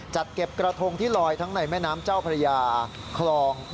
จัดเก็บกระทงที่รอยทั้งในแม่น้ำเจ้าพญาคลองบึงรับน้ำ